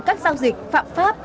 các giao dịch phạm pháp